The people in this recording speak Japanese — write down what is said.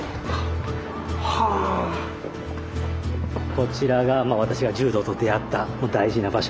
こちらがまあ私が柔道と出会った大事な場所。